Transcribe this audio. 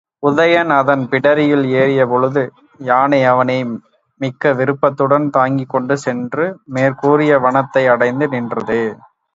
உதயணன் அதன் பிடரியில் ஏறியபொழுது யானை அவனை மிக்க விருப்பத்துடன் தாங்கிக்கொண்டு சென்று மேற்கூறிய வனத்தை அடைந்து நின்றது.